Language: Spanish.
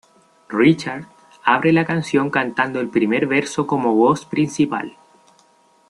Richards abre la canción cantando el primer verso como voz principal.